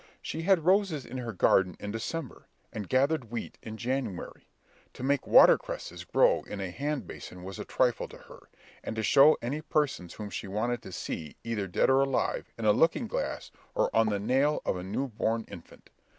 She had roses in her garden in December, and gathered wheat in January. To make watercresses grow in a handbasin was a trifle to her, or to show any persons whom you wanted to see, either dead or alive, in a looking glass, or on the nail of a newborn infant.